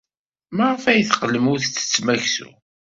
Maɣef ay teqqlem ur tettettem aksum?